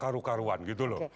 rukaruan gitu loh